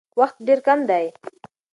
وخت ډېر کم دی.